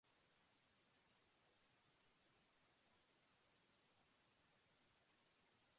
In conclusion, engineering materials are a critical component of modern society.